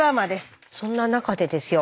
そんな中でですよ